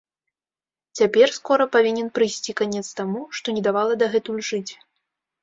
Цяпер скора павінен прыйсці канец таму, што не давала дагэтуль жыць.